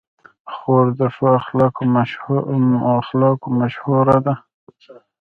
خور د ښو اخلاقو مشهوره ده.